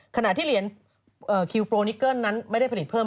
ขณะที่เหรียญคิวโปรนิเกิ้ลนั้นไม่ได้ผลิตเพิ่ม